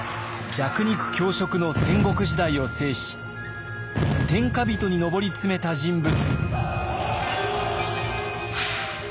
弱肉強食の戦国時代を制し天下人に上り詰めた人物。